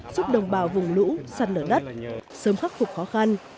giúp đồng bào vùng lũ săn nở đất sớm khắc phục khó khăn